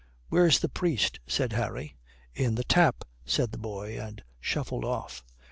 "Where's the priest?" said Harry. "In the tap," said the boy, and shuffled off.